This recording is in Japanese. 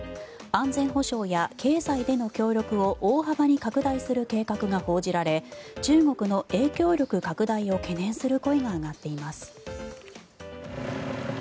安全保障や経済での協力を大幅に拡大する計画が報じられ中国の影響力拡大を懸念する声が上がっています。